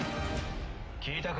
聞いたか？